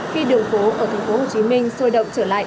khi đường phố ở tp hcm sôi động trở lại